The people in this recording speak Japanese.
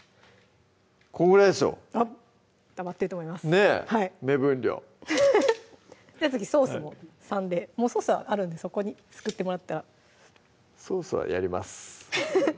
ねっ目分量次ソースも３でもうソースはあるんでそこにすくってもらったらソースはやります